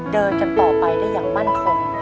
เดินกันต่อไปได้อย่างมั่นคง